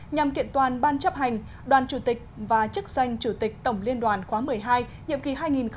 nhằm kiện toàn ban chấp hành đoàn chủ tịch và chức danh chủ tịch tổng liên đoàn khóa một mươi hai nhiệm kỳ hai nghìn một mươi chín hai nghìn hai mươi bốn